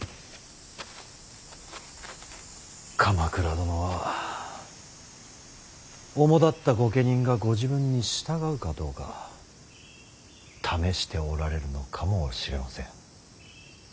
鎌倉殿はおもだった御家人がご自分に従うかどうか試しておられるのかもしれません。